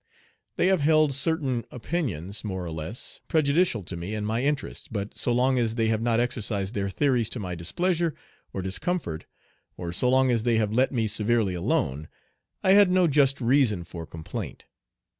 They have held certain opinions more or less prejudicial to me and my interests, but so long as they have not exercised their theories to my displeasure or discomfort, or so long as they have "let me severely alone," I had no just reason for complaint.